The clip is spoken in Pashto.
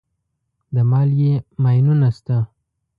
د مالګې ماینونه شته.